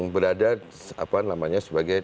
berada apa namanya sebagai